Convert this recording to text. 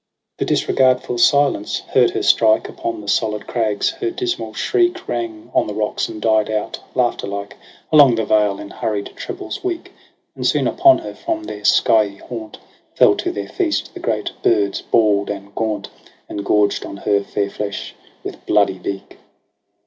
The disregardful silence heard her strike Upon the solid crags j her dismal shriek Rang on the rocks and died out laughter like Along the vale in hurried trebles weak • And soon upon her, from their skiey haunt Fell to their feast the great birds bald and gaunt. And gorged on her fair flesh with bloody beak.